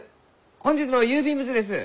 本日の郵便物です。